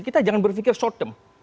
kita jangan berpikir short term